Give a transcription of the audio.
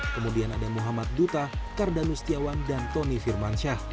kemudian ada muhammad duta kardan ustiawan dan tony firmansyah